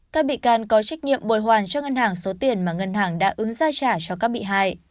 các bị can có trách nhiệm bồi hoàn cho ngân hàng số tiền mà ngân hàng đã ứng ra trả cho các bị hại